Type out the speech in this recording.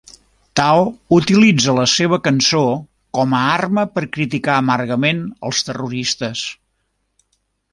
Tao utilitza la seva cançó com a arma per criticar amargament els terroristes.